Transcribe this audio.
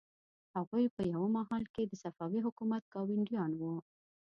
هغوی په یوه مهال کې د صفوي حکومت ګاونډیان وو.